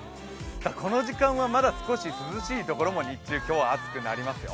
この時間はまだ少し涼しいところも、日中、今日は暑くなりますよ。